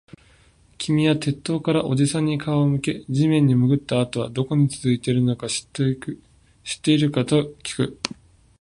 君は鉄塔からおじさんに顔を向け、地面に潜ったあとはどこに続いているのか知っているかときく